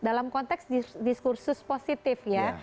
dalam konteks diskursus positif ya